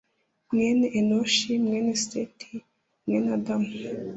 mwene enoshi, mwene seti, mwene adamu